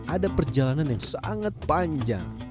ada perjalanan yang sangat panjang